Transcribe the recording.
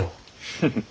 フフッ。